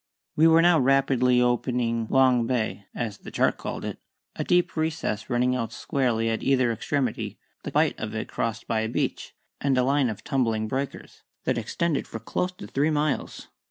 We were now rapidly opening Long Bay (as the chart called it), a deep recess running out squarely at either extremity, the bight of it crossed by a beach, and a line of tumbling breakers, that extended for close upon three miles.